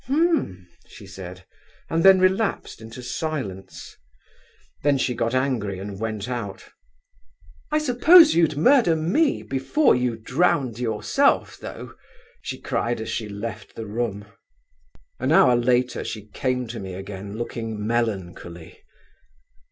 'H'm!' she said, and then relapsed into silence. Then she got angry, and went out. 'I suppose you'd murder me before you drowned yourself, though!' she cried as she left the room. "An hour later, she came to me again, looking melancholy.